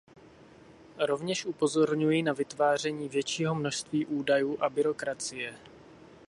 Rovněž upozorňuji na vytváření většího množství údajů a byrokracie.